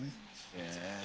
へえ